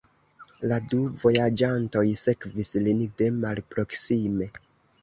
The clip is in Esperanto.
La du vojaĝantoj sekvis lin de malproksime.